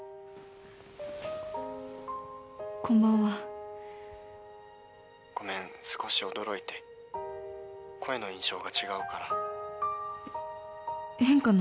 こんばんは☎ごめん少し驚いて声の印象が違うから変かな